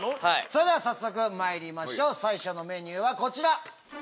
それでは早速まいりましょう最初のメニューはこちら！